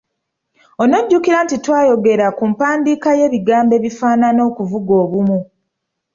Onojjukira nti twayogera ku mpandiika y'ebigambo ebifaanana okuvuga obumu.